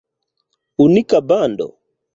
Unika bando?